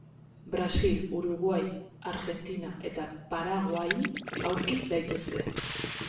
Brasil, Uruguai, Argentina eta Paraguain aurki daitezke.